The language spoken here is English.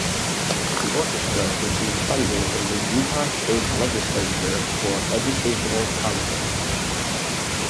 The orchestra receives funding from the Utah State Legislature for educational concerts.